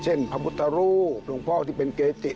พระพุทธรูปหลวงพ่อที่เป็นเกจิ